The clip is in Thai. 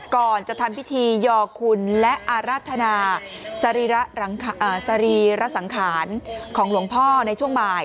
ก่อนจะทำพิธียอคุณและอาราธนาสรีระสังขารของหลวงพ่อในช่วงบ่าย